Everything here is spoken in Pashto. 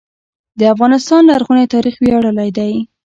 د افغانستان لرغونی تاریخ ویاړلی دی